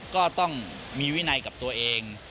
ก็ต้องมีวินัยกับตัวเอง